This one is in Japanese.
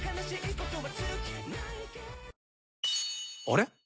あれ？